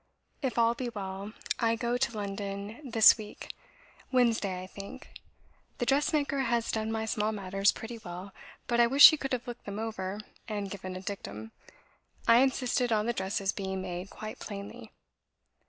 If all be well, I go to London this week; Wednesday, I think. The dress maker has done my small matters pretty well, but I wish you could have looked them over, and given a dictum. I insisted on the dresses being made quite plainly."